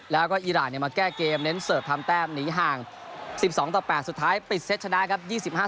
แล้วก็อีรานมาแก้เกมเน้นเสิร์ฟทำแต้มหนีห่าง๑๒ต่อ๘สุดท้ายปิดเซตชนะครับ